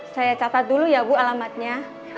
saya catat dulu ya bu alamatnya